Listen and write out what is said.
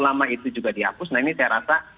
lama itu juga dihapus nah ini saya rasa